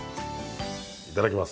いただきます。